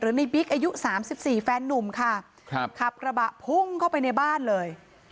ในบิ๊กอายุสามสิบสี่แฟนนุ่มค่ะครับขับกระบะพุ่งเข้าไปในบ้านเลย